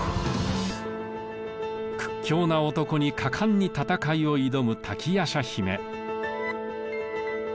屈強な男に果敢に戦いを挑む瀧夜叉姫。